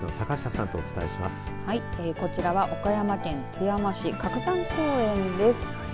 こちらは岡山県津山市鶴山公園です。